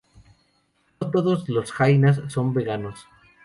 No todos los jainas son veganos.